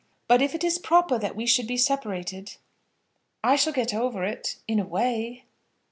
But if it is proper that we should be separated, I shall get over it, in a way."